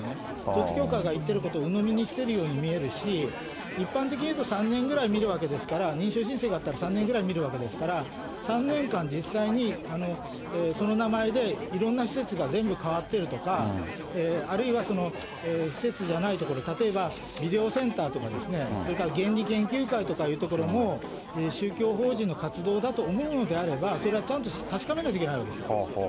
統一教会が言ってることを鵜呑みにしているように見えるし、一般的に言うと３年ぐらい見るわけですから、認証申請があったら、３年ぐらい見るわけですから、３年間、実際にその名前でいろんな施設が全部変わってるとか、あるいは施設じゃないところ、例えばビデオセンターとかですね、それから原理研究会とかいうところも、宗教法人の活動だと思うのであれば、それはちゃんと確かめないといけないわけですよ。